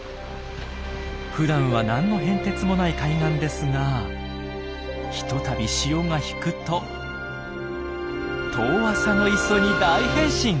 ふだんは何の変哲もない海岸ですがひとたび潮が引くと遠浅の磯に大変身！